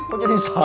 kok jadi saya